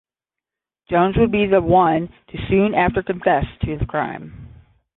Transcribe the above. Jones would be the one to soon after confess to the crime.